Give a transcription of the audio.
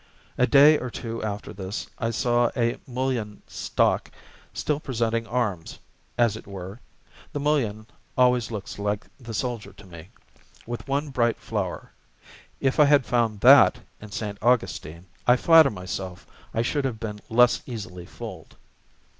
A day or two after this, I saw a mullein stalk still presenting arms, as it were (the mullein, always looks the soldier to me), with one bright flower. If I had found that in St. Augustine, I flatter myself I should have been less easily fooled.